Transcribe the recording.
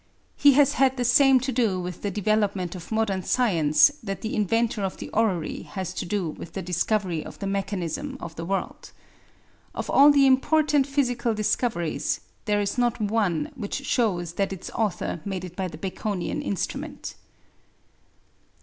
He has had the same to do with the development of modern science that the inventor of the orrery has had to do with the discovery of the mechanism of the world. Of all the important physical discoveries, there is not one which shows that its author made it by the Baconian instrument.